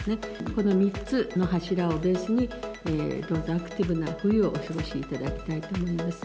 この３つの柱をベースに、どうぞアクティブな冬をお過ごしいただきたいと思います。